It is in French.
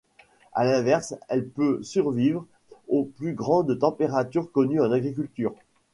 À l'inverse, elle peut survivre aux plus grandes températures connues en agriculture.